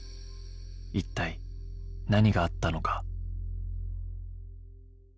一体何があったのか？